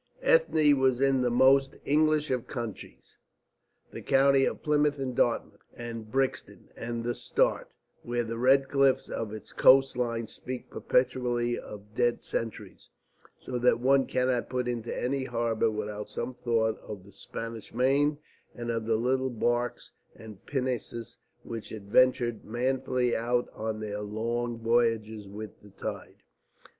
Ethne was in the most English of counties, the county of Plymouth and Dartmouth and Brixham and the Start, where the red cliffs of its coast line speak perpetually of dead centuries, so that one cannot put into any harbour without some thought of the Spanish Main and of the little barques and pinnaces which adventured manfully out on their long voyages with the tide.